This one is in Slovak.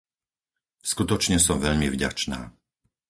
Skutočne som veľmi vďačná.